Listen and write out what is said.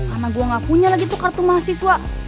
anak gue gak punya lagi tuh kartu mahasiswa